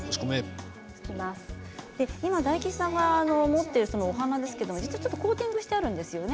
大吉さんが持っているお花コーティングしてあるんですよね。